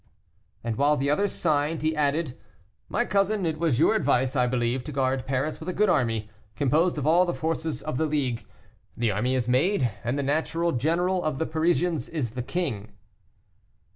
And while the others signed, he added, "My cousin, it was your advice, I believe, to guard Paris with a good army, composed of all the forces of the League. The army is made, and the natural general of the Parisians is the king."